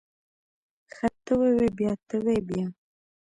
ښه ته ووی بيا ته وی بيا.